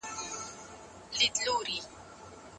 محمدشاه خان هڅه وکړه مکناتن ته د خطر خبرداری ورکړي.